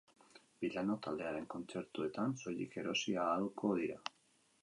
Bi lanok taldearen kontzertuetan soilik erosi ahalko dira.